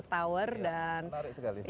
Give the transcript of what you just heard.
iya menarik sekali